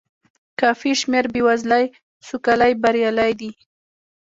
کافي شمېر بې وزلۍ سوکالۍ بریالۍ دي.